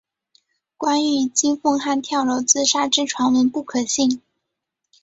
关于金凤汉跳楼自杀之传闻不可信。